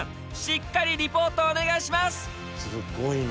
しっかりリポートお願いします！